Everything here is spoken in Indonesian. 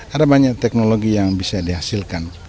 ada banyak teknologi yang bisa dihasilkan